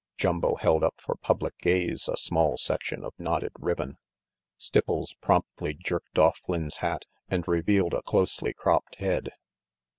Jumbo held up for public gaze a small section of knotted ribbon. Stipples promptly jerked off Flynn's hat and revealed a closely cropped head.